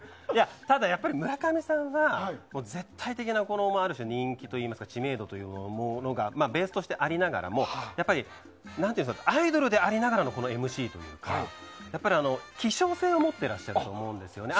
ただやっぱり村上さんは絶対的なある種人気といいますか知名度がベースとしてありながらもやっぱりアイドルでありながらのＭＣというか希少性を持ってらっしゃると思うんですよね。